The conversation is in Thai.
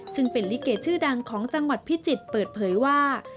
ซึ่งเป็นลิเกชื่อดังของจังหวัดพิจิตรเปิดเผยว่า